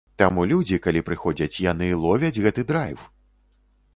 Таму людзі, калі прыходзяць, яны ловяць гэты драйв!